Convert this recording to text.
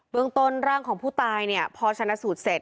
เมืองต้นร่างของผู้ตายเนี่ยพอชนะสูตรเสร็จ